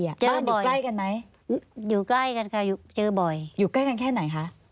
บ้านอยู่ใกล้กันไหมอยู่ใกล้กันค่ะเจอบ่อยอยู่ใกล้กันแค่ไหนคะ